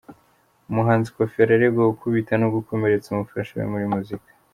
Umuhanzi Kofi araregwa gukubita no gukomeretsa umufasha we muri muzika